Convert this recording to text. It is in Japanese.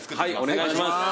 お願いします。